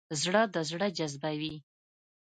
زړه د زړه جذبوي.